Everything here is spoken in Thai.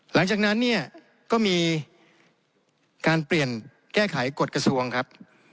หลังจากนั้นเนี่ยก็มีการเปลี่ยนแก้ไขกฎกระทรวงครับ